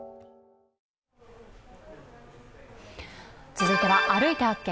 続いては「歩いて発見！